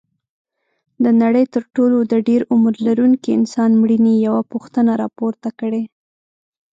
د نړۍ تر ټولو د ډېر عمر لرونکي انسان مړینې یوه پوښتنه راپورته کړې.